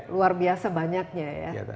luar biasa banyaknya ya